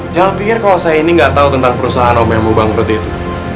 jangan pikir kalau saya ini nggak tahu tentang perusahaan om yang mau bangkrut itu